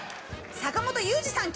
坂元裕二さん